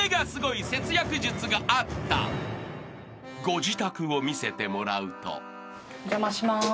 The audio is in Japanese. ［ご自宅を見せてもらうと］お邪魔します。